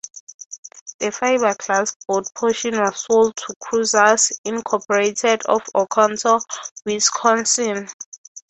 The fiberglass boat portion was sold to Cruisers, Incorporated of Oconto, Wisconsin.